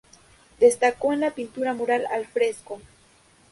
Destacó en la pintura mural al fresco.